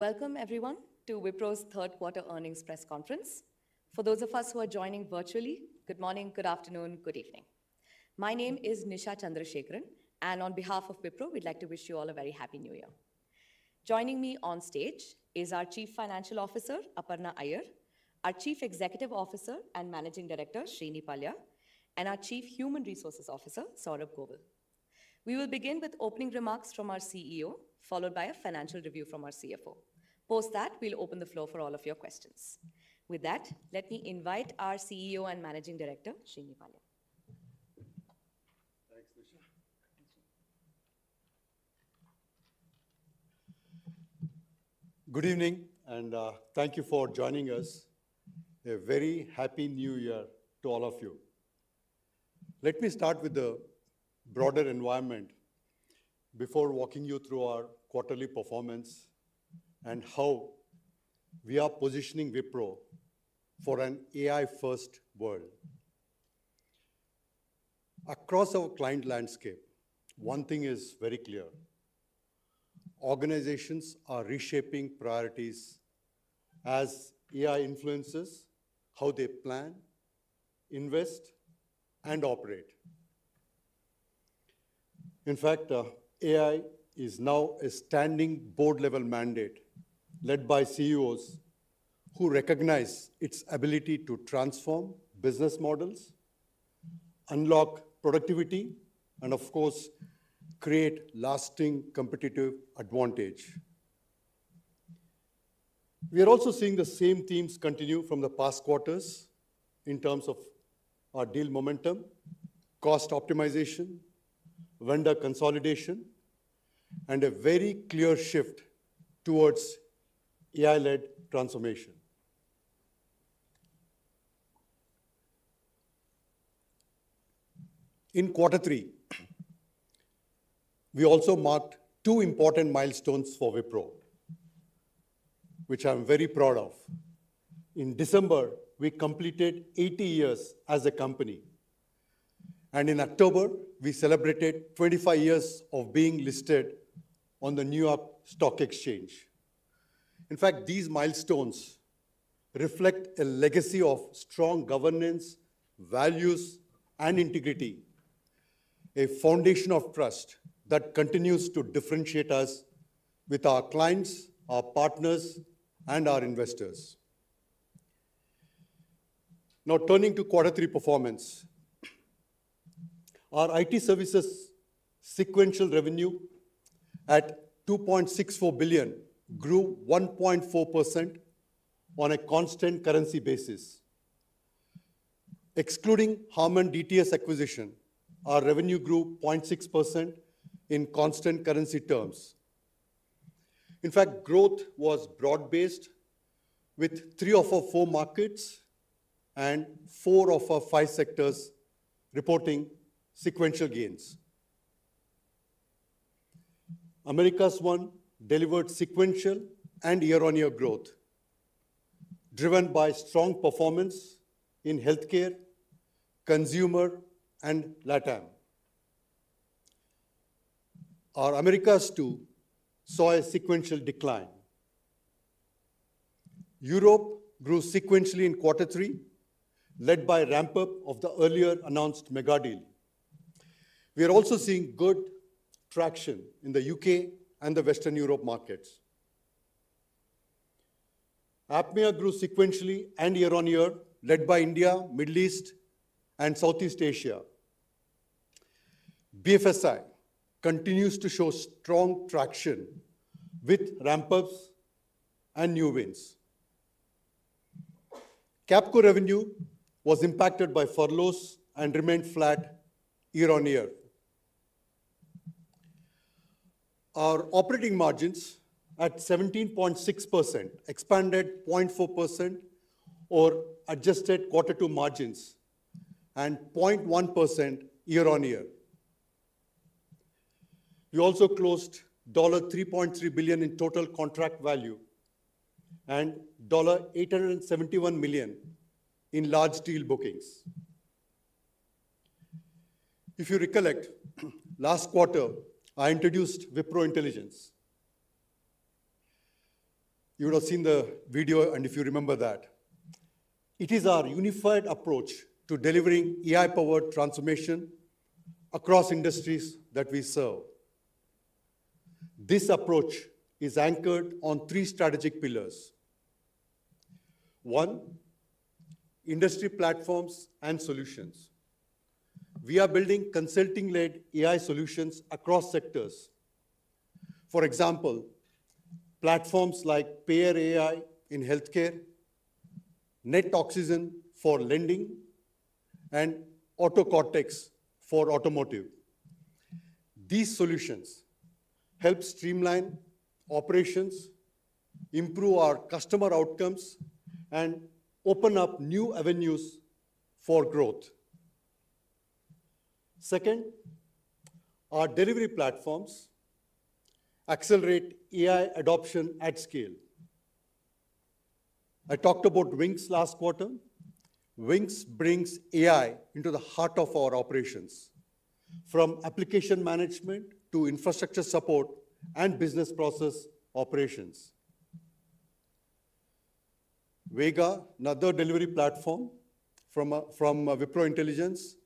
Welcome, everyone, to Wipro's third quarter earnings press conference. For those of us who are joining virtually, good morning, good afternoon, good evening. My name is Nisha Chandrasekaran, and on behalf of Wipro, we'd like to wish you all a very happy New Year. Joining me on stage is our Chief Financial Officer, Aparna Iyer, our Chief Executive Officer and Managing Director, Srini Pallia, and our Chief Human Resources Officer, Saurabh Govil. We will begin with opening remarks from our CEO, followed by a financial review from our CFO. Post that, we'll open the floor for all of your questions. With that, let me invite our CEO and Managing Director, Srini Pallia. Thanks, Nisha. Good evening, and thank you for joining us. A very happy New Year to all of you. Let me start with the broader environment before walking you through our quarterly performance and how we are positioning Wipro for an AI-first world. Across our client landscape, one thing is very clear: organizations are reshaping priorities as AI influences how they plan, invest, and operate. In fact, AI is now a standing board-level mandate led by CEOs who recognize its ability to transform business models, unlock productivity, and, of course, create lasting competitive advantage. We are also seeing the same themes continue from the past quarters in terms of our deal momentum, cost optimization, vendor consolidation, and a very clear shift towards AI-led transformation. In quarter three, we also marked two important milestones for Wipro, which I'm very proud of. In December, we completed 80 years as a company. In October, we celebrated 25 years of being listed on the New York Stock Exchange. In fact, these milestones reflect a legacy of strong governance, values, and integrity, a foundation of trust that continues to differentiate us with our clients, our partners, and our investors. Now, turning to quarter three performance, our IT services' sequential revenue at $2.64 billion grew 1.4% on a constant currency basis. Excluding Harman DTS acquisition, our revenue grew 0.6% in constant currency terms. In fact, growth was broad-based, with three of our four markets and four of our five sectors reporting sequential gains. Americas 1 delivered sequential and year-on-year growth, driven by strong performance in healthcare, consumer, and LATAM. Our Americas 2 saw a sequential decline. Europe grew sequentially in quarter three, led by a ramp-up of the earlier announced mega deal. We are also seeing good traction in the U.K. and the Western Europe markets. APMEA grew sequentially and year-on-year, led by India, the Middle East, and Southeast Asia. BFSI continues to show strong traction with ramp-ups and new wins. Capco revenue was impacted by furloughs and remained flat year-on-year. Our operating margins at 17.6% expanded 0.4% or adjusted quarter two margins and 0.1% year-on-year. We also closed $3.3 billion in total contract value and $871 million in large deal bookings. If you recollect, last quarter, I introduced Wipro Intelligence. You would have seen the video, and if you remember that. It is our unified approach to delivering AI-powered transformation across industries that we serve. This approach is anchored on three strategic pillars. One, industry platforms and solutions. We are building consulting-led AI solutions across sectors. For example, platforms like Payer AI in healthcare, NetOxygen for lending, and AutoCortex for automotive. These solutions help streamline operations, improve our customer outcomes, and open up new avenues for growth. Second, our delivery platforms accelerate AI adoption at scale. I talked about Wings last quarter. Wings brings AI into the heart of our operations, from application management to infrastructure support and business process operations. Vega, another delivery platform from Wipro Intelligence,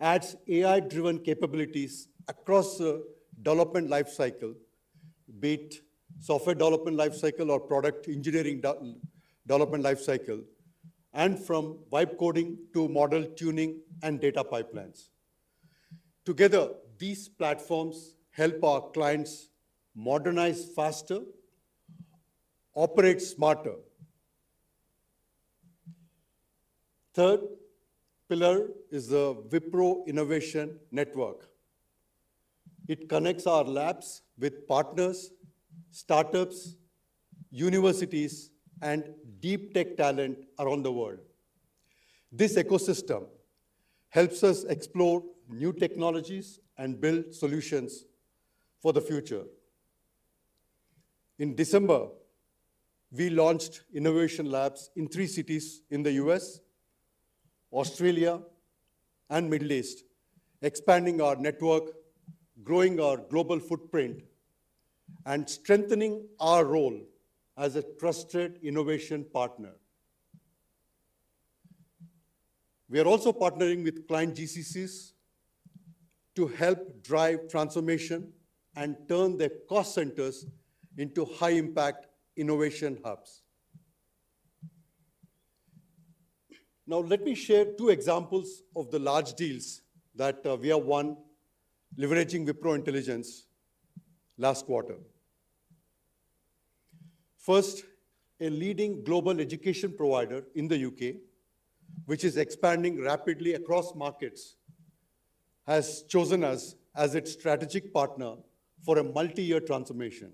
adds AI-driven capabilities across the development lifecycle, be it software development lifecycle or product engineering development lifecycle, and from Vibe coding to model tuning and data pipelines. Together, these platforms help our clients modernize faster, operate smarter. Third pillar is the Wipro Innovation Network. It connects our labs with partners, startups, universities, and deep tech talent around the world. This ecosystem helps us explore new technologies and build solutions for the future. In December, we launched innovation labs in three cities in the U.S., Australia, and Middle East, expanding our network, growing our global footprint, and strengthening our role as a trusted innovation partner. We are also partnering with client GCCs to help drive transformation and turn their cost centers into high-impact innovation hubs. Now, let me share two examples of the large deals that we have won leveraging Wipro Intelligence last quarter. First, a leading global education provider in the U.K., which is expanding rapidly across markets, has chosen us as its strategic partner for a multi-year transformation.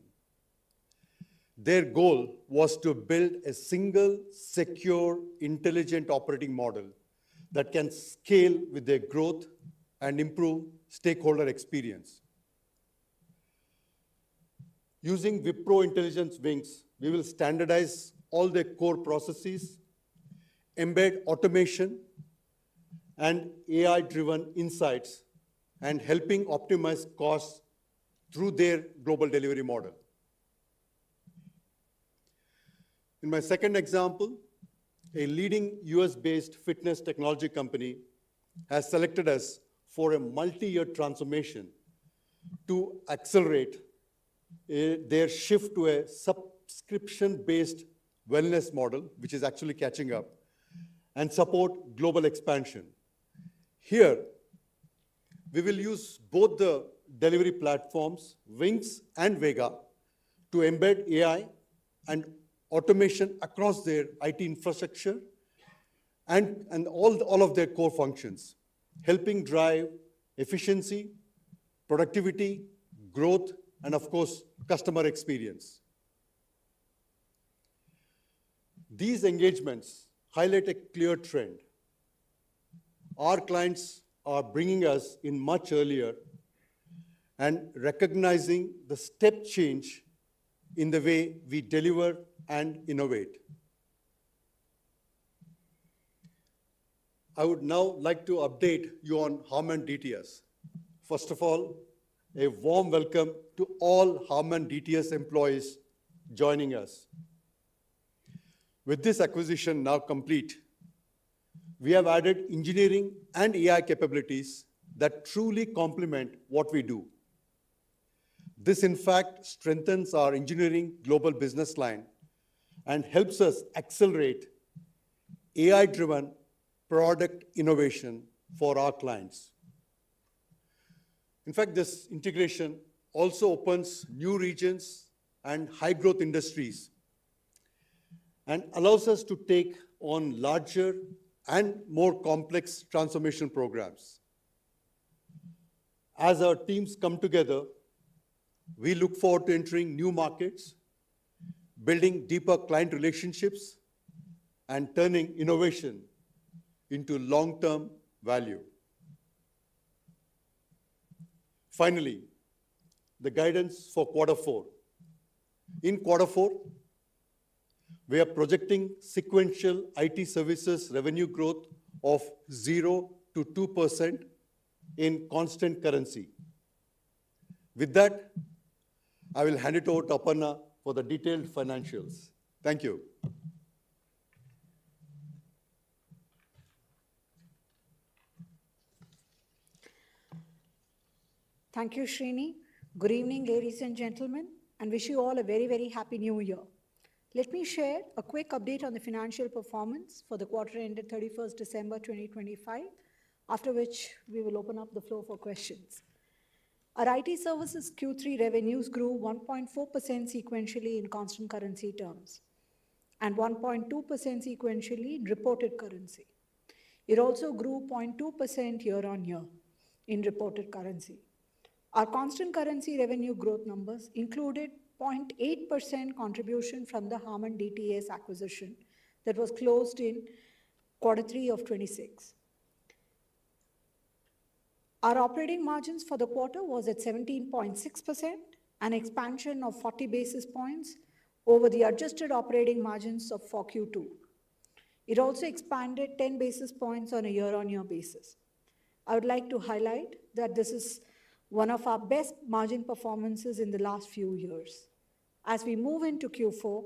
Their goal was to build a single, secure, intelligent operating model that can scale with their growth and improve stakeholder experience. Using Wipro Intelligence, Wings, we will standardize all their core processes, embed automation, and AI-driven insights, helping optimize costs through their global delivery model. In my second example, a leading U.S.-based fitness technology company has selected us for a multi-year transformation to accelerate their shift to a subscription-based wellness model, which is actually catching up, and support global expansion. Here, we will use both the delivery platforms, Wings and Vega, to embed AI and automation across their IT infrastructure and all of their core functions, helping drive efficiency, productivity, growth, and, of course, customer experience. These engagements highlight a clear trend. Our clients are bringing us in much earlier and recognizing the step change in the way we deliver and innovate. I would now like to update you on Harman DTS. First of all, a warm welcome to all Harman DTS employees joining us. With this acquisition now complete, we have added engineering and AI capabilities that truly complement what we do. This, in fact, strengthens our engineering global business line and helps us accelerate AI-driven product innovation for our clients. In fact, this integration also opens new regions and high-growth industries and allows us to take on larger and more complex transformation programs. As our teams come together, we look forward to entering new markets, building deeper client relationships, and turning innovation into long-term value. Finally, the guidance for quarter four. In quarter four, we are projecting sequential IT services revenue growth of 0-2% in constant currency. With that, I will hand it over to Aparna for the detailed financials. Thank you. Thank you, Srini. Good evening, ladies and gentlemen, and wish you all a very, very happy New Year. Let me share a quick update on the financial performance for the quarter ended 31st December 2025, after which we will open up the floor for questions. Our IT services Q3 revenues grew 1.4% sequentially in constant currency terms and 1.2% sequentially in reported currency. It also grew 0.2% year-on-year in reported currency. Our constant currency revenue growth numbers included 0.8% contribution from the Harman DTS acquisition that was closed in quarter three of 2026. Our operating margins for the quarter was at 17.6%, an expansion of 40 basis points over the adjusted operating margins of Q2. It also expanded 10 basis points on a year-on-year basis. I would like to highlight that this is one of our best margin performances in the last few years. As we move into Q4,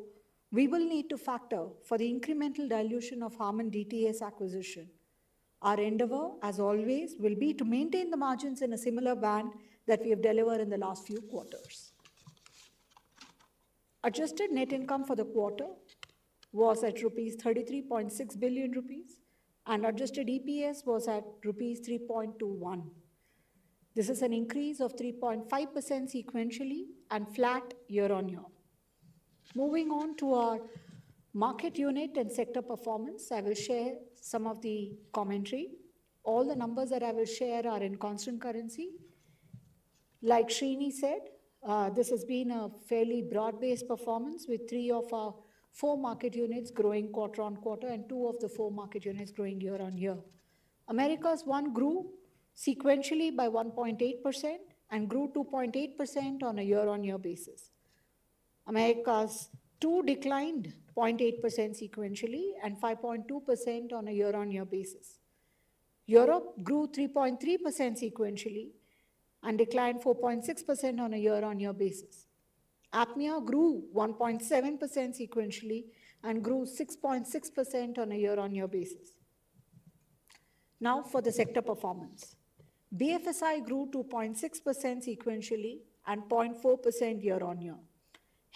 we will need to factor for the incremental dilution of Harman DTS acquisition. Our endeavor, as always, will be to maintain the margins in a similar band that we have delivered in the last few quarters. Adjusted net income for the quarter was at 33.6 billion rupees, and adjusted EPS was at rupees 3.21. This is an increase of 3.5% sequentially and flat year-on-year. Moving on to our market unit and sector performance, I will share some of the commentary. All the numbers that I will share are in constant currency. Like Srini said, this has been a fairly broad-based performance with three of our four market units growing quarter-on-quarter and two of the four market units growing year-on-year. Americas 1 grew sequentially by 1.8% and grew 2.8% on a year-on-year basis. Americas 2 declined 0.8% sequentially and 5.2% on a year-on-year basis. Europe grew 3.3% sequentially and declined 4.6% on a year-on-year basis. APMEA grew 1.7% sequentially and grew 6.6% on a year-on-year basis. Now, for the sector performance, BFSI grew 2.6% sequentially and 0.4% year-on-year.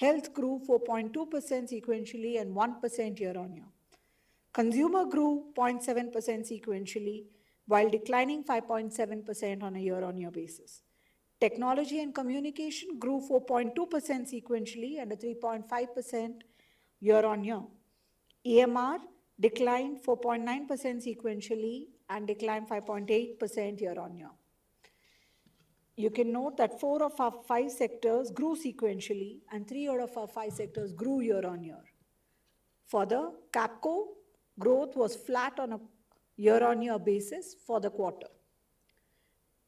Health grew 4.2% sequentially and 1% year-on-year. Consumer grew 0.7% sequentially while declining 5.7% on a year-on-year basis. Technology and Communications grew 4.2% sequentially and 3.5% year-on-year. EMR declined 4.9% sequentially and declined 5.8% year-on-year. You can note that four of our five sectors grew sequentially and three out of our five sectors grew year-on-year. Further, Capco growth was flat on a year-on-year basis for the quarter.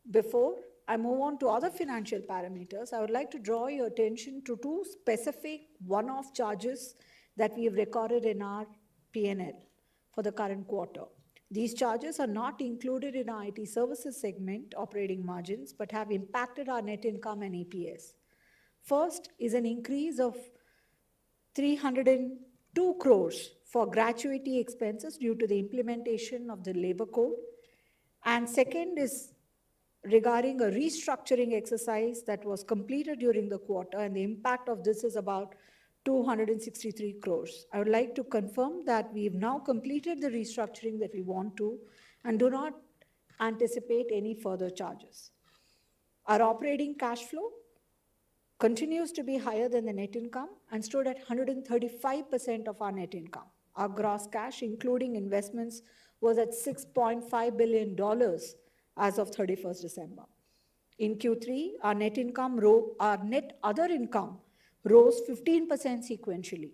Before I move on to other financial parameters, I would like to draw your attention to two specific one-off charges that we have recorded in our P&L for the current quarter. These charges are not included in our IT services segment operating margins but have impacted our net income and EPS. First is an increase of 302 crores for gratuity expenses due to the implementation of the Labour Code, and second is regarding a restructuring exercise that was completed during the quarter, and the impact of this is about 263 crores. I would like to confirm that we have now completed the restructuring that we want to and do not anticipate any further charges. Our operating cash flow continues to be higher than the net income and stood at 135% of our net income. Our gross cash, including investments, was at $6.5 billion as of 31st December. In Q3, our net income rose, our net other income rose 15% sequentially.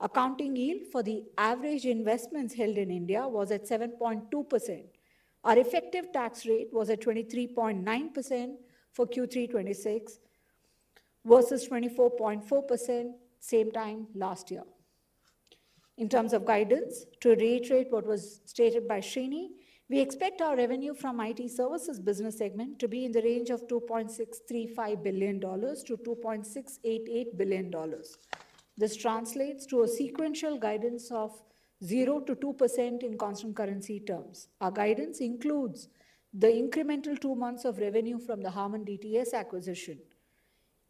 Accounting yield for the average investments held in India was at 7.2%. Our effective tax rate was at 23.9% for Q3 2026 versus 24.4% same time last year. In terms of guidance to reiterate what was stated by Srini, we expect our revenue from IT services business segment to be in the range of $2.635 billion-$2.688 billion. This translates to a sequential guidance of 0%-2% in constant currency terms. Our guidance includes the incremental two months of revenue from the Harman DTS acquisition.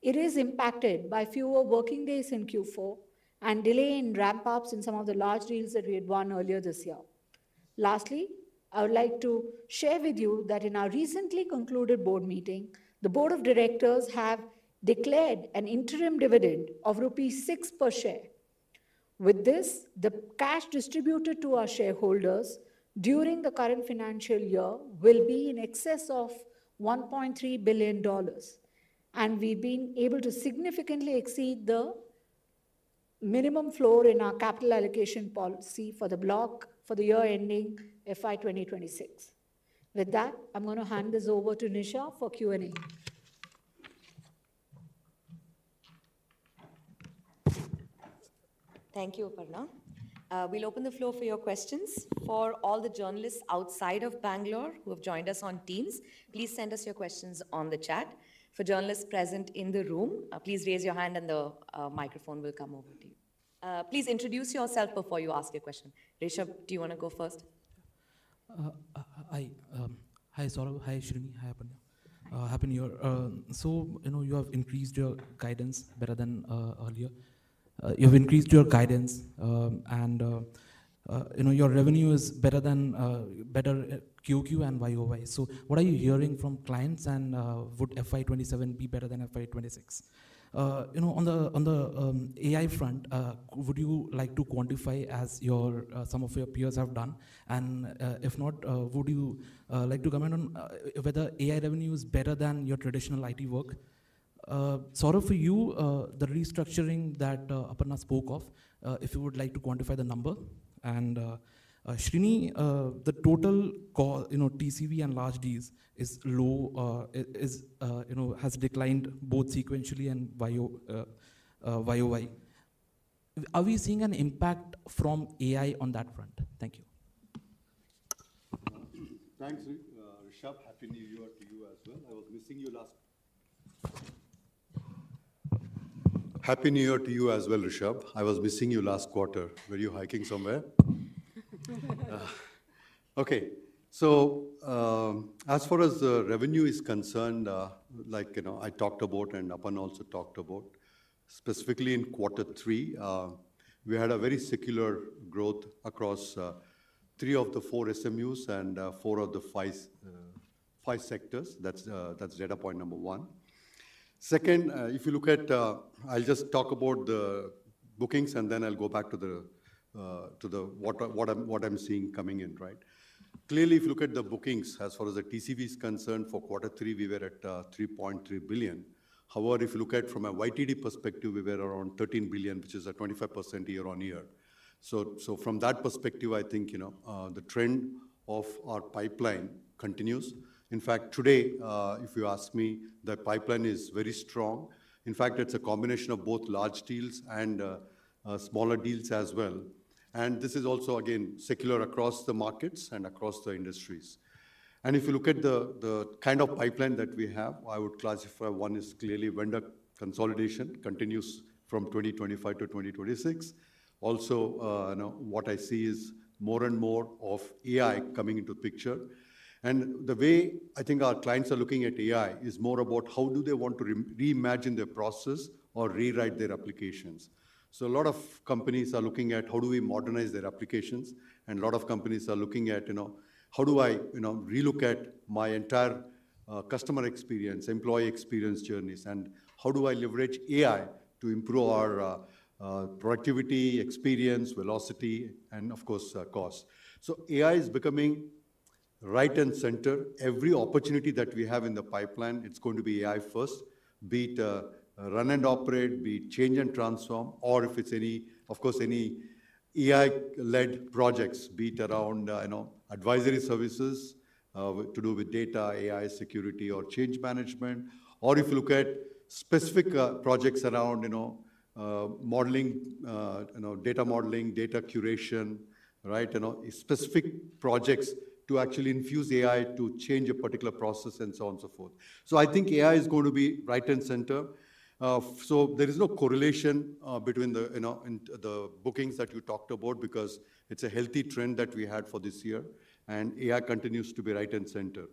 It is impacted by fewer working days in Q4 and delay in ramp-ups in some of the large deals that we had won earlier this year. Lastly, I would like to share with you that in our recently concluded board meeting, the board of directors have declared an interim dividend of rupees 6 per share. With this, the cash distributed to our shareholders during the current financial year will be in excess of $1.3 billion, and we've been able to significantly exceed the minimum floor in our capital allocation policy for the block for the year ending FY 2026. With that, I'm going to hand this over to Nisha for Q&A. Thank you, Aparna. We'll open the floor for your questions. For all the journalists outside of Bangalore who have joined us on Teams, please send us your questions on the chat. For journalists present in the room, please raise your hand and the microphone will come over to you. Please introduce yourself before you ask your question. Rishabh, do you want to go first? Hi, Saurabh. Hi, Srini. Hi, Aparna. Happy New Year. So, you know, you have increased your guidance better than earlier. You have increased your guidance, and you know your revenue is better than better at QoQ and YoY. So, what are you hearing from clients, and would FY 2027 be better than FY 2026? On the AI front, would you like to quantify as some of your peers have done? And if not, would you like to comment on whether AI revenue is better than your traditional IT work? Saurabh, for you, the restructuring that Aparna spoke of, if you would like to quantify the number. And Srini, the total TCV and large deals has declined both sequentially and YoY. Are we seeing an impact from AI on that front? Thank you. Thanks, Rishabh. Happy New Year to you as well. I was missing you last. Happy New Year to you as well, Rishabh. I was missing you last quarter. Were you hiking somewhere? Okay. So, as far as revenue is concerned, like I talked about and Aparna also talked about, specifically in quarter three, we had a very secular growth across three of the four SMUs and four of the five sectors. That's data point number one. Second, if you look at, I'll just talk about the bookings, and then I'll go back to the what I'm seeing coming in, right? Clearly, if you look at the bookings, as far as the TCV is concerned, for quarter three, we were at $3.3 billion. However, if you look at from a YTD perspective, we were around $13 billion, which is a 25% year-on-year. So, from that perspective, I think the trend of our pipeline continues. In fact, today, if you ask me, the pipeline is very strong. In fact, it's a combination of both large deals and smaller deals as well. And this is also, again, secular across the markets and across the industries. And if you look at the kind of pipeline that we have, I would classify one as clearly vendor consolidation continues from 2025 to 2026. Also, what I see is more and more of AI coming into the picture. And the way I think our clients are looking at AI is more about how do they want to reimagine their process or rewrite their applications. A lot of companies are looking at how do we modernize their applications, and a lot of companies are looking at how do I relook at my entire customer experience, employee experience journeys, and how do I leverage AI to improve our productivity, experience, velocity, and of course, cost. AI is becoming front and center. Every opportunity that we have in the pipeline, it's going to be AI first, be it run and operate, be it change and transform, or if it's any, of course, any AI-led projects, be it around advisory services to do with data, AI security, or change management. Or if you look at specific projects around modeling, data modeling, data curation, specific projects to actually infuse AI to change a particular process and so on and so forth. I think AI is going to be front and center. So, there is no correlation between the bookings that you talked about because it's a healthy trend that we had for this year, and AI continues to be front and center.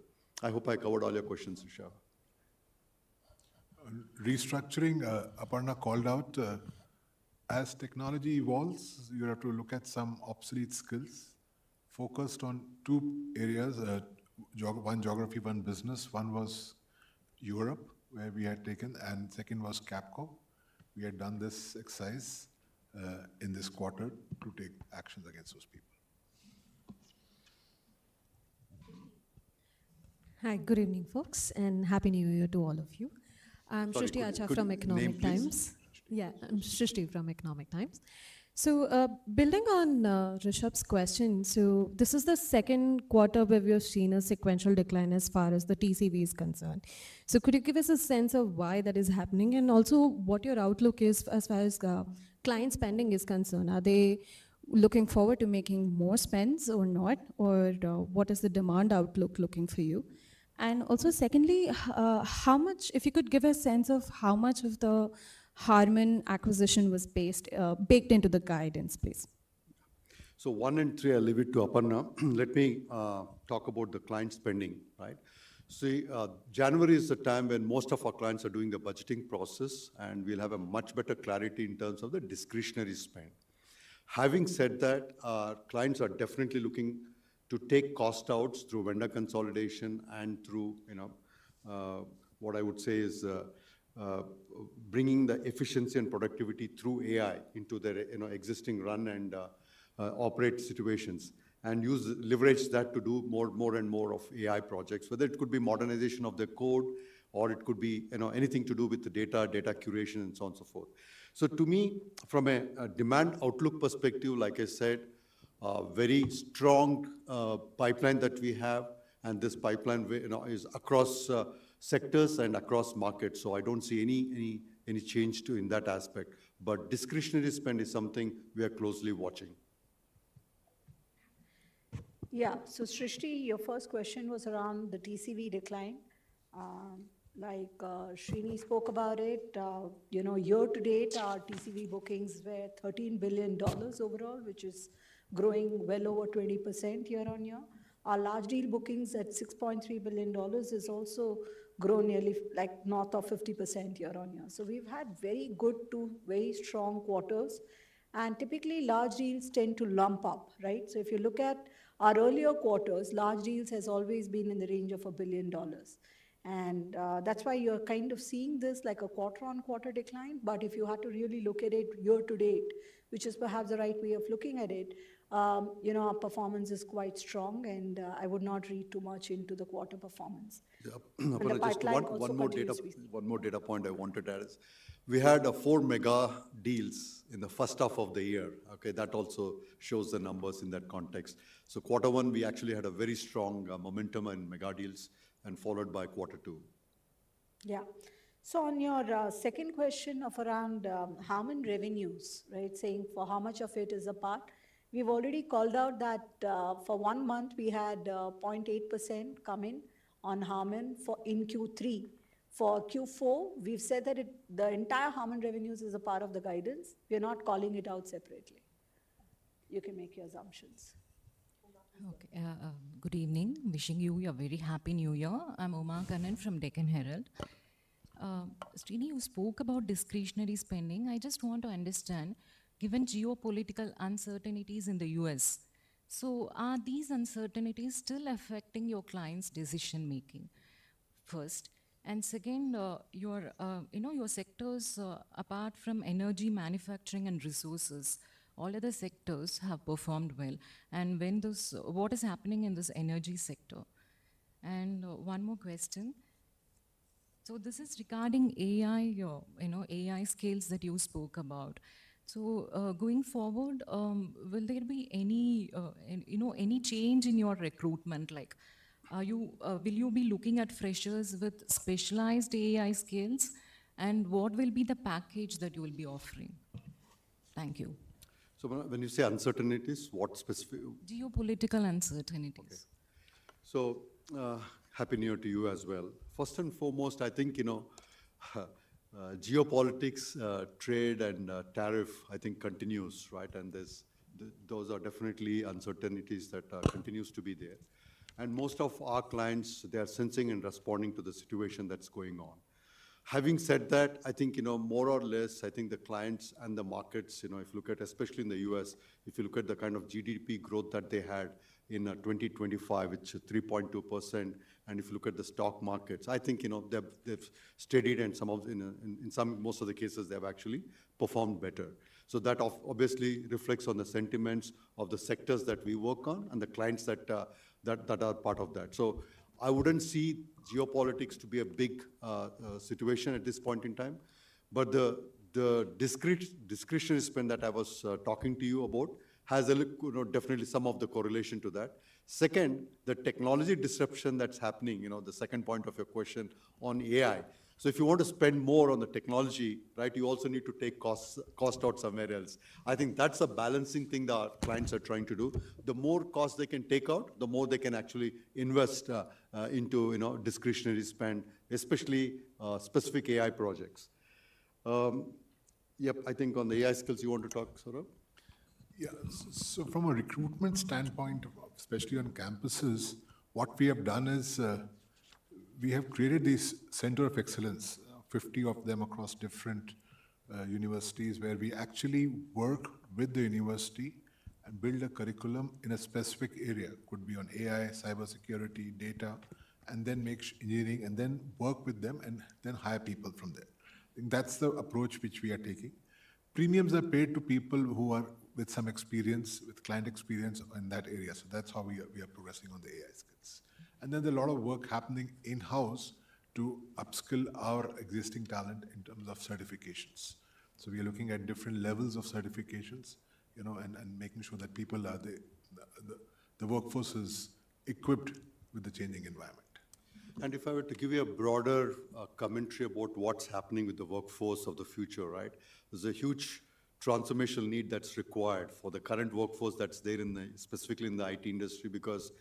I hope I covered all your questions, Rishabh. Restructuring, Aparna called out, as technology evolves, you have to look at some obsolete skills focused on two areas, one geography, one business. One was Europe, where we had taken, and second was Capco. We had done this exercise in this quarter to take actions against those people. Hi, good evening, folks, and happy New Year to all of you. I'm Shruti Achar from Economic Times. Yeah, I'm Shruti from Economic Times. So, building on Rishabh's question, so this is the second quarter where we have seen a sequential decline as far as the TCV is concerned. So, could you give us a sense of why that is happening and also what your outlook is as far as client spending is concerned? Are they looking forward to making more spends or not, or what is the demand outlook looking for you? And also, secondly, how much, if you could give a sense of how much of the Harman acquisition was baked into the guidance space? One and three, I'll leave it to Aparna. Let me talk about the client spending. January is the time when most of our clients are doing the budgeting process, and we'll have a much better clarity in terms of the discretionary spend. Having said that, clients are definitely looking to take cost outs through vendor consolidation and through what I would say is bringing the efficiency and productivity through AI into their existing run and operate situations and leverage that to do more and more of AI projects, whether it could be modernization of the code or it could be anything to do with the data, data curation, and so on and so forth. To me, from a demand outlook perspective, like I said, very strong pipeline that we have, and this pipeline is across sectors and across markets. So, I don't see any change in that aspect, but discretionary spend is something we are closely watching. Yeah, so Shruti, your first question was around the TCV decline. Like Srini spoke about it, year to date, our TCV bookings were $13 billion overall, which is growing well over 20% year-on-year. Our large deal bookings at $6.3 billion has also grown nearly north of 50% year-on-year. So, we've had very good to very strong quarters, and typically, large deals tend to lump up. So, if you look at our earlier quarters, large deals have always been in the range of $1 billion. And that's why you're kind of seeing this like a quarter-on-quarter decline. But if you had to really look at it year to date, which is perhaps the right way of looking at it, our performance is quite strong, and I would not read too much into the quarter performance. One more data point I wanted to add is we had four mega deals in the first half of the year. That also shows the numbers in that context. So, quarter one, we actually had a very strong momentum in mega deals and followed by quarter two. Yeah. So, on your second question of around Harman revenues, saying for how much of it is a part, we've already called out that for one month, we had 0.8% come in on Harman in Q3. For Q4, we've said that the entire Harman revenues is a part of the guidance. We're not calling it out separately. You can make your assumptions. Okay. Good evening. Wishing you a very happy New Year. I'm Uma Kannan from Deccan Herald. Srini, you spoke about discretionary spending. I just want to understand, given geopolitical uncertainties in the U.S., so are these uncertainties still affecting your clients' decision-making? First, and second, your sectors, apart from energy, manufacturing, and resources, all other sectors have performed well. And what is happening in this energy sector? And one more question. So, this is regarding AI, AI skills that you spoke about. So, going forward, will there be any change in your recruitment? Will you be looking at freshers with specialized AI skills, and what will be the package that you will be offering? Thank you. So, when you say uncertainties, what specific? Geopolitical uncertainties. Okay. So, happy New Year to you as well. First and foremost, I think geopolitics, trade, and tariff, I think, continues. And those are definitely uncertainties that continue to be there. And most of our clients, they are sensing and responding to the situation that's going on. Having said that, I think more or less, I think the clients and the markets, if you look at, especially in the U.S., if you look at the kind of GDP growth that they had in 2025, which is 3.2%, and if you look at the stock markets, I think they've steadied, and in most of the cases, they have actually performed better. So, that obviously reflects on the sentiments of the sectors that we work on and the clients that are part of that. So, I wouldn't see geopolitics to be a big situation at this point in time. But the discretionary spend that I was talking to you about has definitely some of the correlation to that. Second, the technology disruption that's happening, the second point of your question on AI. So, if you want to spend more on the technology, you also need to take cost out somewhere else. I think that's a balancing thing that our clients are trying to do. The more cost they can take out, the more they can actually invest into discretionary spend, especially specific AI projects. Yep, I think on the AI skills, you want to talk, Saurabh? Yeah. So, from a recruitment standpoint, especially on campuses, what we have done is we have created these centers of excellence, 50 of them across different universities, where we actually work with the university and build a curriculum in a specific area. It could be on AI, cybersecurity, data, and then engineering, and then work with them, and then hire people from there. I think that's the approach which we are taking. Premiums are paid to people who are with some experience, with client experience in that area. So, that's how we are progressing on the AI skills. And then there's a lot of work happening in-house to upskill our existing talent in terms of certifications. So, we are looking at different levels of certifications and making sure that the workforce is equipped with the changing environment. If I were to give you a broader commentary about what's happening with the workforce of the future, there's a huge transformational need that's required for the current workforce that's there, specifically in the IT industry, because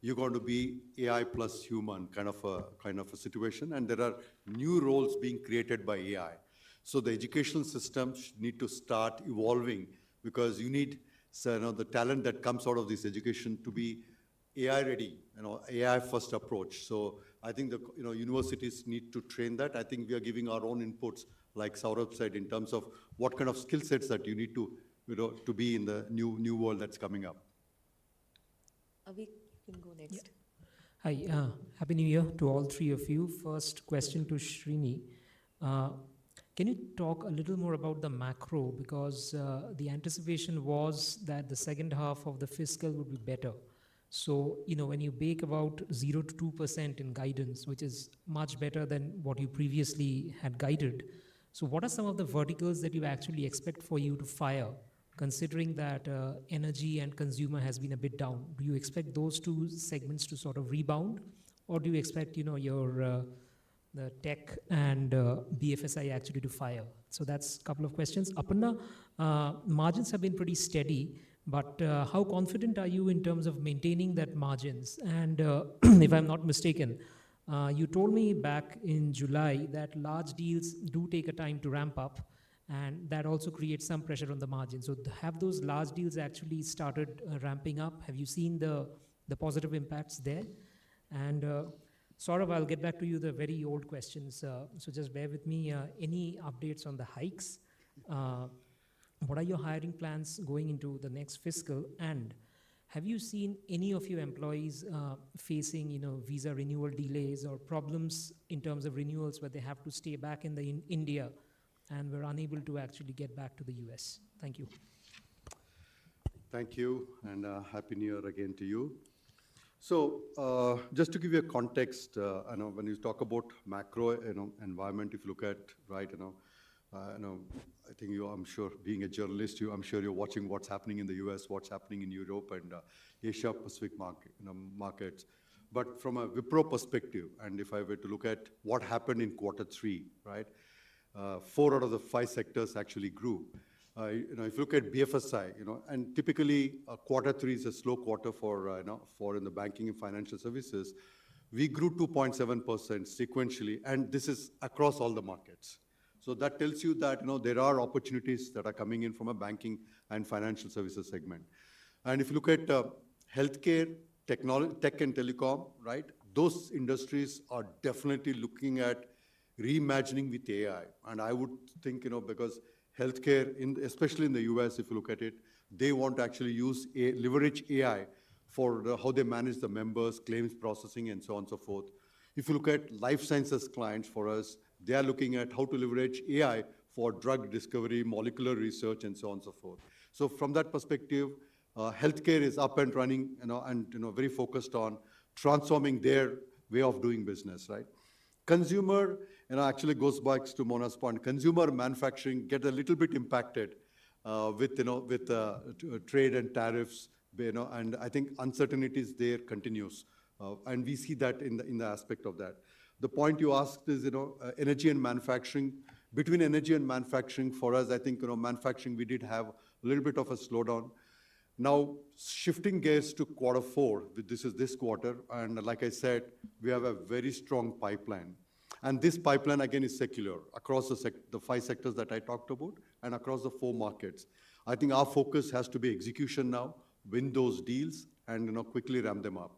you're going to be AI plus human kind of a situation, and there are new roles being created by AI. So, the educational systems need to start evolving because you need the talent that comes out of this education to be AI-ready, AI-first approach. So, I think the universities need to train that. I think we are giving our own inputs, like Saurabh said, in terms of what kind of skill sets that you need to be in the new world that's coming up. Avi, you can go next. Hi, happy New Year to all three of you. First question to Srini. Can you talk a little more about the macro? Because the anticipation was that the second half of the fiscal would be better. So, when you bake about 0%-2% in guidance, which is much better than what you previously had guided, what are some of the verticals that you actually expect for you to fire, considering that energy and consumer has been a bit down? Do you expect those two segments to sort of rebound, or do you expect the tech and BFSI actually to fire? So, that's a couple of questions. Aparna, margins have been pretty steady, but how confident are you in terms of maintaining that margins? And if I'm not mistaken, you told me back in July that large deals do take a time to ramp up, and that also creates some pressure on the margins. So, have those large deals actually started ramping up? Have you seen the positive impacts there? And Saurabh, I'll get back to you the very old questions. So, just bear with me. Any updates on the hikes? What are your hiring plans going into the next fiscal? And have you seen any of your employees facing visa renewal delays or problems in terms of renewals where they have to stay back in India and were unable to actually get back to the U.S.? Thank you. Thank you, and happy New Year again to you, so just to give you a context, when you talk about macro environment, if you look at, I think I'm sure being a journalist, I'm sure you're watching what's happening in the U.S., what's happening in Europe, and Asia-Pacific markets, but from a Wipro perspective, and if I were to look at what happened in quarter three, four out of the five sectors actually grew. If you look at BFSI, and typically, quarter three is a slow quarter for in the banking and financial services, we grew 2.7% sequentially, and this is across all the markets, so that tells you that there are opportunities that are coming in from a banking and financial services segment, and if you look at healthcare, tech and telecom, those industries are definitely looking at reimagining with AI. I would think, because healthcare, especially in the U.S., if you look at it, they want to actually leverage AI for how they manage the members, claims processing, and so on and so forth. If you look at life sciences clients for us, they are looking at how to leverage AI for drug discovery, molecular research, and so on and so forth. So, from that perspective, healthcare is up and running and very focused on transforming their way of doing business. Consumer actually goes back to Mona's point. Consumer manufacturing gets a little bit impacted with trade and tariffs. And I think uncertainty is there continuous. And we see that in the aspect of that. The point you asked is energy and manufacturing. Between energy and manufacturing, for us, I think manufacturing, we did have a little bit of a slowdown. Now, shifting gears to quarter four, this is this quarter, and like I said, we have a very strong pipeline, and this pipeline, again, is secular across the five sectors that I talked about and across the four markets. I think our focus has to be execution now, win those deals, and quickly ramp them up.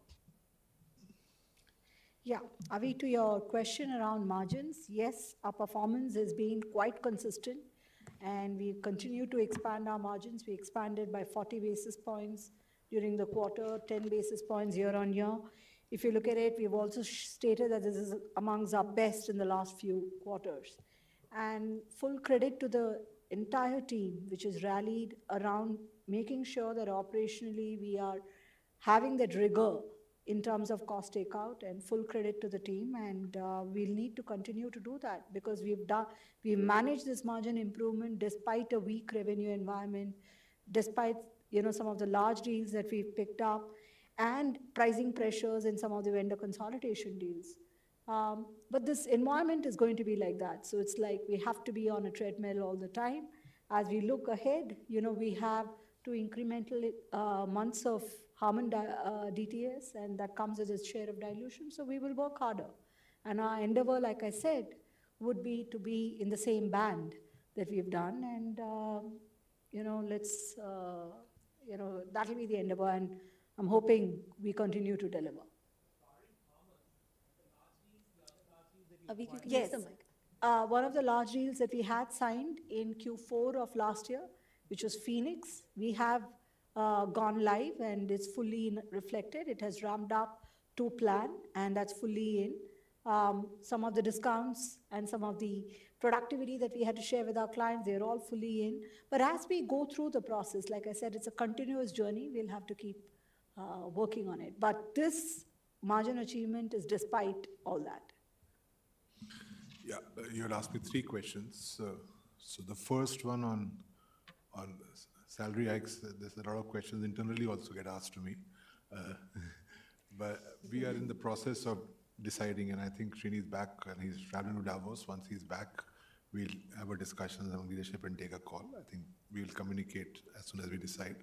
Yeah. Avi, to your question around margins, yes, our performance has been quite consistent. And we continue to expand our margins. We expanded by 40 basis points during the quarter, 10 basis points year-on-year. If you look at it, we've also stated that this is amongst our best in the last few quarters. And full credit to the entire team, which has rallied around making sure that operationally, we are having that rigor in terms of cost takeout. And full credit to the team. And we'll need to continue to do that because we've managed this margin improvement despite a weak revenue environment, despite some of the large deals that we've picked up, and pricing pressures in some of the vendor consolidation deals. But this environment is going to be like that. So, it's like we have to be on a treadmill all the time. As we look ahead, we have to include incremental months of Harman DTS, and that comes as a share of dilution. So, we will work harder, and our endeavor, like I said, would be to be in the same band that we've done, and that'll be the endeavor, and I'm hoping we continue to deliver. Avi, you can use the mic. One of the large deals that we had signed in Q4 of last year, which was Phoenix, we have gone live, and it's fully reflected. It has ramped up to plan, and that's fully in. Some of the discounts and some of the productivity that we had to share with our clients, they're all fully in. But as we go through the process, like I said, it's a continuous journey. We'll have to keep working on it. But this margin achievement is despite all that. Yeah. You had asked me three questions. So, the first one on salary hikes, there's a lot of questions internally also get asked to me. But we are in the process of deciding. And I think Srini is back, and he's traveling to Davos. Once he's back, we'll have a discussion on leadership and take a call. I think we'll communicate as soon as we decide.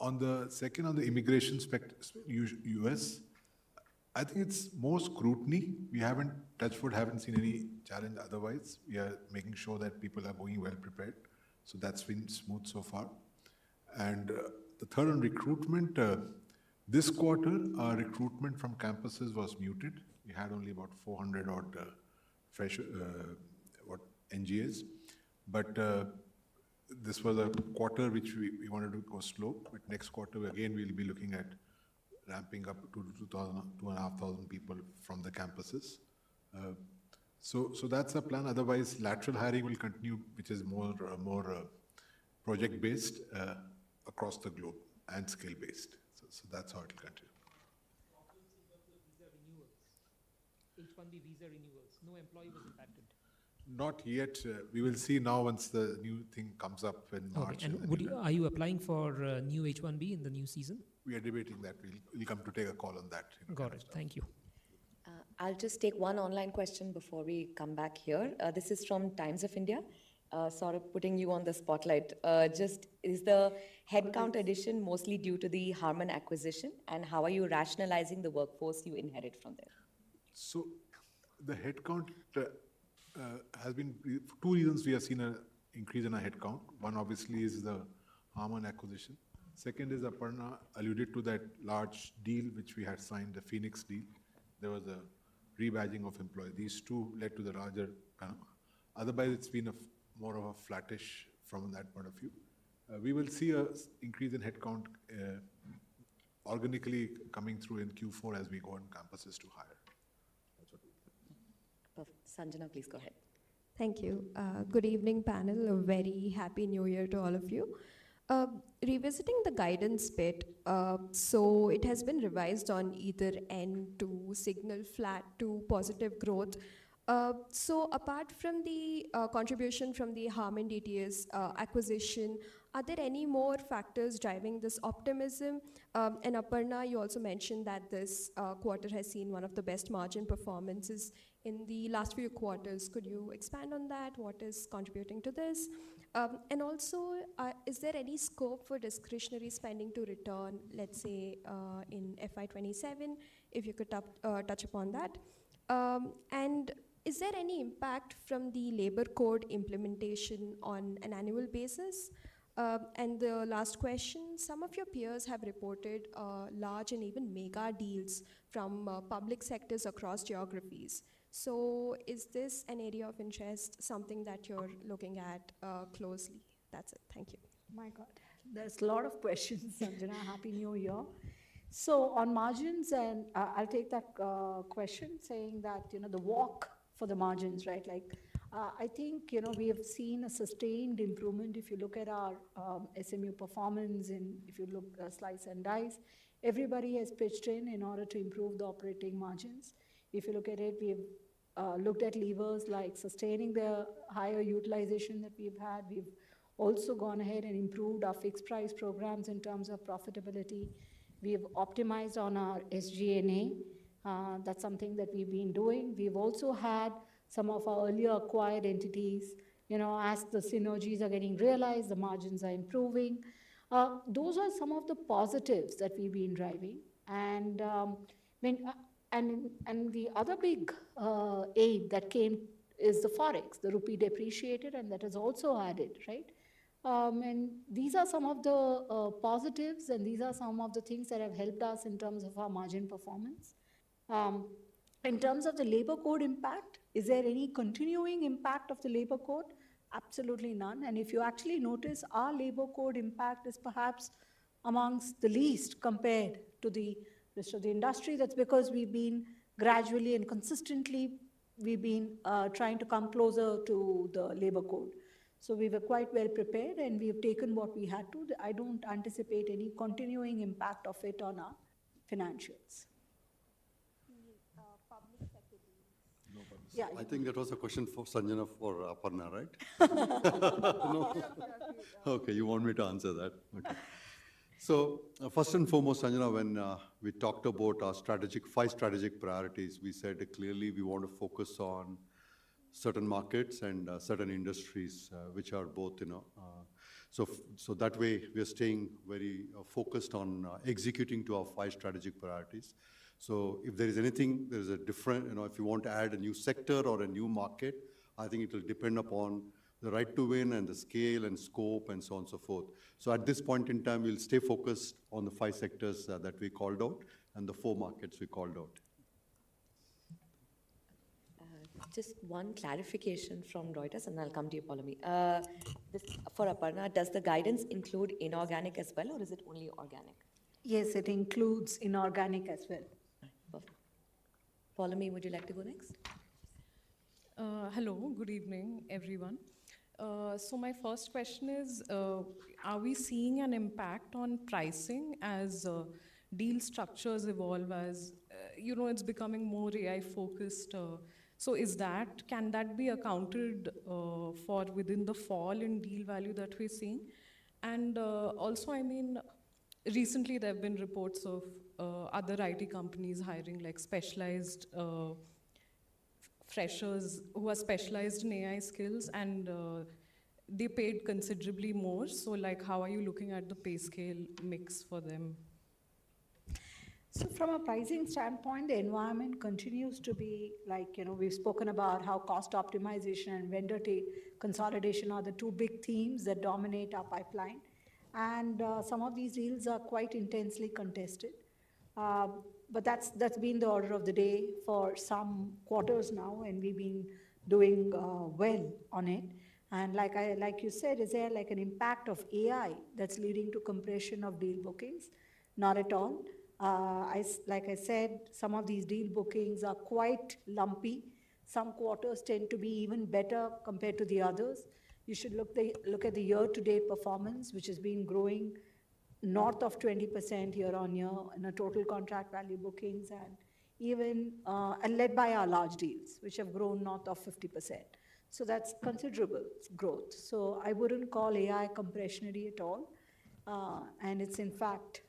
On the second, on the immigration space, U.S., I think it's more scrutiny. We haven't touched wood, haven't seen any challenge otherwise. We are making sure that people are going well prepared. So, that's been smooth so far. And the third on recruitment, this quarter, our recruitment from campuses was muted. We had only about 400 NGAs. But this was a quarter which we wanted to go slow. But next quarter, again, we'll be looking at ramping up to 2,500 people from the campuses. So, that's our plan. Otherwise, lateral hiring will continue, which is more project-based across the globe and skill-based. So, that's how it'll continue. Not yet. We will see now once the new thing comes up in March. Are you applying for new H-1B in the new season? We are debating that. We'll come to take a call on that. Got it. Thank you. I'll just take one online question before we come back here. This is from Times of India. Saurabh, putting you on the spotlight. Just, is the headcount addition mostly due to the Harman acquisition? And how are you rationalizing the workforce you inherit from there? The headcount has been two reasons we have seen an increase in our headcount. One, obviously, is the Harman acquisition. Second is Aparna alluded to that large deal which we had signed, the Phoenix deal. There was a rebadging of employees. These two led to the larger. Otherwise, it's been more of a flattish from that point of view. We will see an increase in headcount organically coming through in Q4 as we go on campuses to hire. Sanjana, please go ahead. Thank you. Good evening, panel. A very happy New Year to all of you. Revisiting the guidance bit, so it has been revised on either end to signal flat to positive growth. So, apart from the contribution from the Harman DTS acquisition, are there any more factors driving this optimism? And Aparna, you also mentioned that this quarter has seen one of the best margin performances in the last few quarters. Could you expand on that? What is contributing to this? And also, is there any scope for discretionary spending to return, let's say, in FY 2027, if you could touch upon that? And is there any impact from the Labour Code implementation on an annual basis? And the last question, some of your peers have reported large and even mega deals from public sectors across geographies. So, is this an area of interest, something that you're looking at closely? That's it. Thank you. My God. There's a lot of questions, Sanjana. Happy New Year, so on margins, and I'll take that question saying that the walk for the margins, right? I think we have seen a sustained improvement. If you look at our SMU performance and if you look at slice and dice, everybody has pitched in in order to improve the operating margins. If you look at it, we have looked at levers like sustaining the higher utilization that we've had. We've also gone ahead and improved our fixed price programs in terms of profitability. We have optimized on our SG&A. That's something that we've been doing. We've also had some of our earlier acquired entities. As the synergies are getting realized, the margins are improving. Those are some of the positives that we've been driving. And the other big aid that came is the forex. The rupee depreciated, and that has also added. And these are some of the positives, and these are some of the things that have helped us in terms of our margin performance. In terms of the Labour Code impact, is there any continuing impact of the Labour Code? Absolutely none. And if you actually notice, our Labour Code impact is perhaps among the least compared to the rest of the industry. That's because we've been gradually and consistently, we've been trying to come closer to the Labour Code. So, we were quite well prepared, and we have taken what we had to. I don't anticipate any continuing impact of it on our financials. Public sector deals. I think that was a question for Sanjana or Aparna, right? Okay, you want me to answer that. So, first and foremost, Sanjana, when we talked about our five strategic priorities, we said clearly we want to focus on certain markets and certain industries, which are both. So, that way, we are staying very focused on executing to our five strategic priorities. So, if there is anything, there is a difference. If you want to add a new sector or a new market, I think it will depend upon the right to win and the scale and scope and so on and so forth. So, at this point in time, we'll stay focused on the five sectors that we called out and the four markets we called out. Just one clarification from Reuters, and I'll come to you, Poulomi. For Aparna, does the guidance include inorganic as well, or is it only organic? Yes, it includes inorganic as well. Poulomi, would you like to go next? Hello, good evening, everyone. So, my first question is, are we seeing an impact on pricing as deal structures evolve as it's becoming more AI-focused? So, can that be accounted for within the fall in deal value that we're seeing? And also, I mean, recently, there have been reports of other IT companies hiring specialized freshers who are specialized in AI skills, and they paid considerably more. So, how are you looking at the pay scale mix for them? So, from a pricing standpoint, the environment continues to be like we've spoken about how cost optimization and vendor consolidation are the two big themes that dominate our pipeline. And some of these deals are quite intensely contested. But that's been the order of the day for some quarters now, and we've been doing well on it. And like you said, is there an impact of AI that's leading to compression of deal bookings? Not at all. Like I said, some of these deal bookings are quite lumpy. Some quarters tend to be even better compared to the others. You should look at the year-to-date performance, which has been growing north of 20% year-on-year in total contract value bookings, led by our large deals, which have grown north of 50%. So, that's considerable growth. So, I wouldn't call AI compressionary at all. It's, in fact,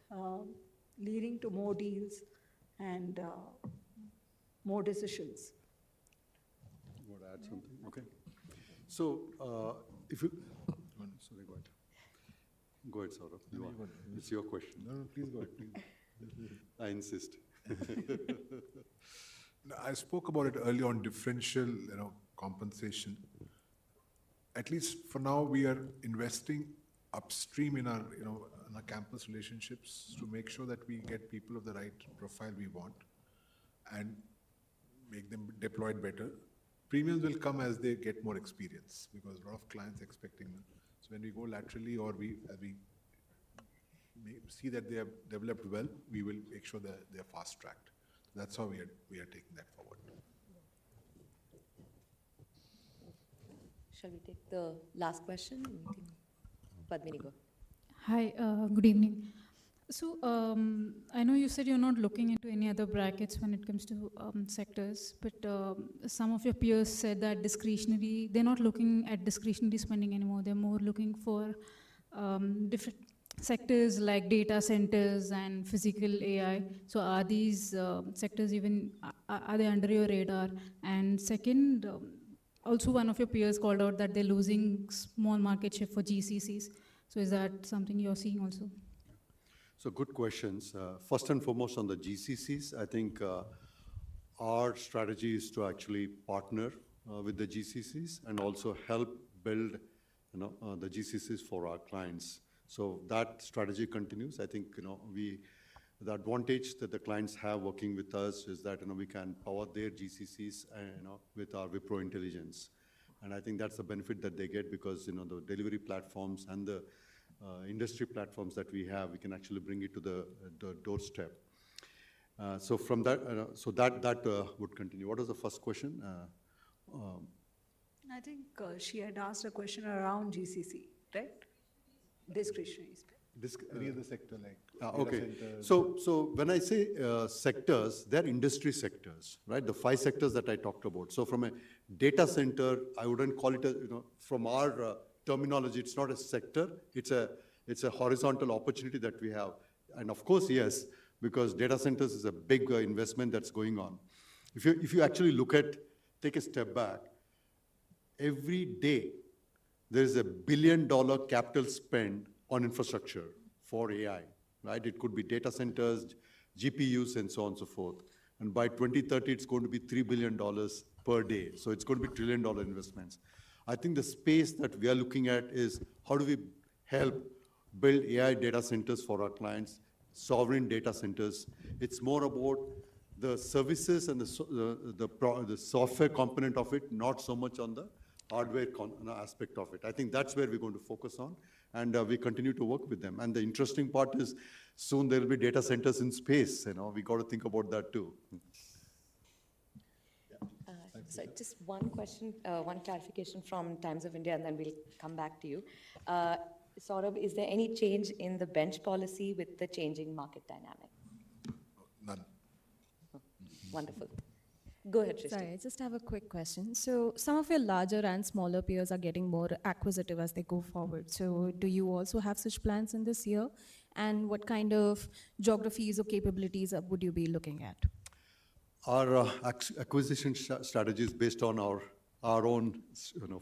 leading to more deals and more decisions. You want to add something? Okay. So, if you want to say something, go ahead. Go ahead, Saurabh. It's your question. No, no, please go ahead. I insist. I spoke about it earlier on differential compensation. At least for now, we are investing upstream in our campus relationships to make sure that we get people of the right profile we want and make them deployed better. Premiums will come as they get more experience because a lot of clients are expecting them. So, when we go laterally or we see that they have developed well, we will make sure they are fast-tracked. That's how we are taking that forward. Shall we take the last question? Padmini Gohar. Hi, good evening. So, I know you said you're not looking into any other brackets when it comes to sectors, but some of your peers said that they're not looking at discretionary spending anymore. They're more looking for different sectors like data centers and physical AI. So, are these sectors even under your radar? And second, also, one of your peers called out that they're losing small market share for GCCs. So, is that something you're seeing also? Good questions. First and foremost, on the GCCs, I think our strategy is to actually partner with the GCCs and also help build the GCCs for our clients. That strategy continues. I think the advantage that the clients have working with us is that we can power their GCCs with our Wipro Intelligence. And I think that's the benefit that they get because the delivery platforms and the industry platforms that we have, we can actually bring it to the doorstep. That would continue. What was the first question? I think she had asked a question around GCC, right? Discretionary spending. Regarding the sector, like data center. So, when I say sectors, they're industry sectors, right? The five sectors that I talked about. So, from a data center, I wouldn't call it from our terminology; it's not a sector. It's a horizontal opportunity that we have. And of course, yes, because data centers is a big investment that's going on. If you actually look at, take a step back, every day, there is a $1 billion capital spend on infrastructure for AI, right? It could be data centers, GPUs, and so on and so forth. And by 2030, it's going to be $3 billion per day. So, it's going to be trillion-dollar investments. I think the space that we are looking at is how do we help build AI data centers for our clients, sovereign data centers. It's more about the services and the software component of it, not so much on the hardware aspect of it. I think that's where we're going to focus on. And we continue to work with them. And the interesting part is soon there will be data centers in space. We got to think about that too. So, just one question, one clarification from Times of India, and then we'll come back to you. Saurabh, is there any change in the bench policy with the changing market dynamic? None. Wonderful. Go ahead, Trishi. Sorry, I just have a quick question. So, some of your larger and smaller peers are getting more acquisitive as they go forward. So, do you also have such plans in this year? And what kind of geographies or capabilities would you be looking at? Our acquisition strategy is based on our own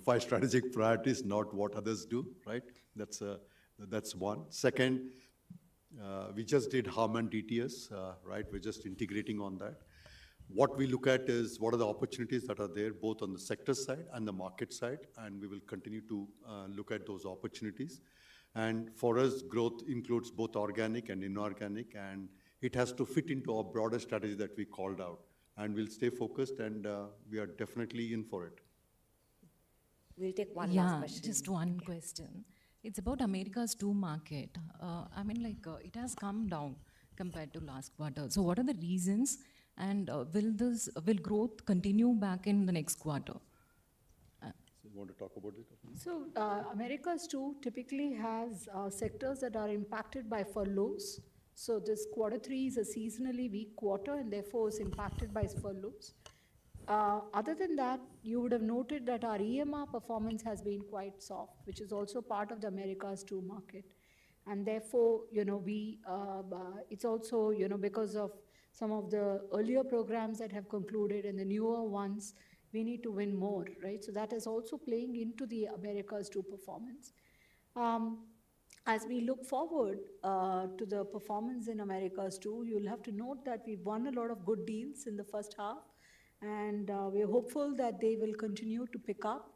five strategic priorities, not what others do, right? That's one. Second, we just did Harman DTS. We're just integrating on that. What we look at is what are the opportunities that are there both on the sector side and the market side. And we will continue to look at those opportunities. And for us, growth includes both organic and inorganic. And it has to fit into our broader strategy that we called out. And we'll stay focused, and we are definitely in for it. We'll take one last question. Yeah, just one question. It's about Americas 2 markets. I mean, it has come down compared to last quarter. So, what are the reasons, and will growth continue back in the next quarter? So, you want to talk about it? Americas 2 typically has sectors that are impacted by furloughs. This quarter three is a seasonally weak quarter, and therefore it's impacted by furloughs. Other than that, you would have noted that our EMR performance has been quite soft, which is also part of the Americas 2 market. And therefore, it's also because of some of the earlier programs that have concluded and the newer ones, we need to win more, right? That is also playing into the Americas 2 performance. As we look forward to the performance in Americas 2, you'll have to note that we've won a lot of good deals in the first half. And we're hopeful that they will continue to pick up.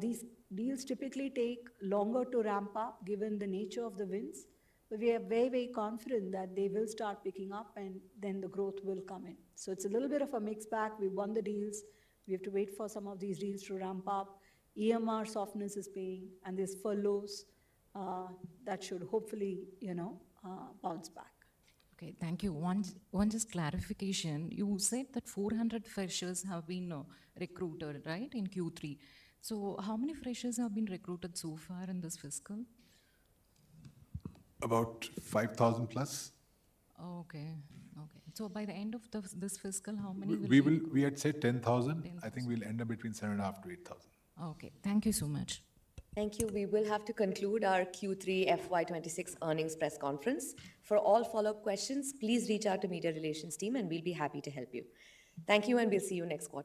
These deals typically take longer to ramp up given the nature of the wins. But we are very, very confident that they will start picking up, and then the growth will come in. So, it's a little bit of a mixed bag. We've won the deals. We have to wait for some of these deals to ramp up. EMR softness is paying, and there's furloughs that should hopefully bounce back. Okay, thank you. Just one clarification. You said that 400 freshers have been recruited, right, in Q3. So, how many freshers have been recruited so far in this fiscal? About 5,000+. Okay. So, by the end of this fiscal, how many will be? We had said 10,000. I think we'll end up between 7,500 to 8,000. Okay. Thank you so much. Thank you. We will have to conclude our Q3 FY 2026 earnings press conference. For all follow-up questions, please reach out to the media relations team, and we'll be happy to help you. Thank you, and we'll see you next quarter.